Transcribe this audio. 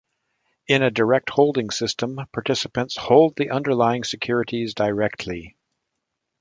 In a direct holding system, participants hold the underlying securities directly.